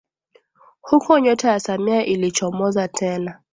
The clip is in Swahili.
Huko nyota ya Samia ilichomoza tena